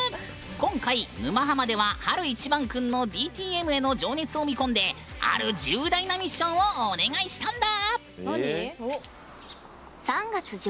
今回、「沼ハマ」では晴いちばんくんのＤＴＭへの情熱を見込んである重大なミッションをお願いしたんだ。